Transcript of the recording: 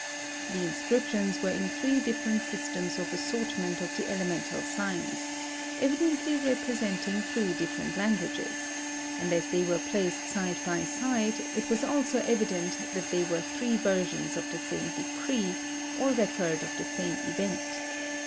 The inscriptions were in three different systems of assortment of the elemental signs, evidently representing three different languages, and as they were placed side by side, it was also evident that they were three versions of the same decree, or record of the same event.